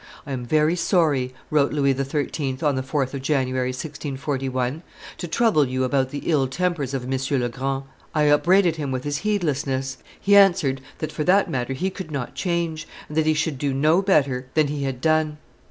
"I am very sorry," wrote Louis XIII. on the 4th of January, 1641, "to trouble you about the ill tempers of M. Le Grand. I upbraided him with his heedlessness; he answered that for that matter he could not change, and that he should do no better than he had done.